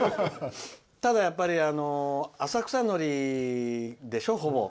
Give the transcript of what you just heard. ただ、やっぱり浅草のりでしょ、ほぼ。